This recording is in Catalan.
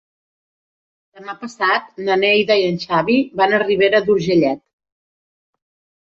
Demà passat na Neida i en Xavi van a Ribera d'Urgellet.